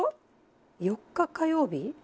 ４日火曜日？